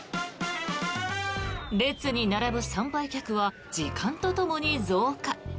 列に並ぶ参拝客は時間とともに増加。